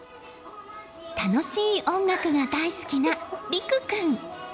楽しい音楽が大好きな睦空君。